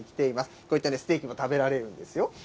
こういったステーキも食べられるんですよ。